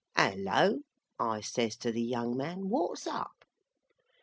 "Halloa!" I says to the young man, "what's up!"